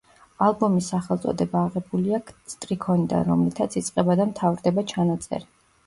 ალბომის სახელწოდება აღებულია სტრიქონიდან, რომლითაც იწყება და მთავრდება ჩანაწერი.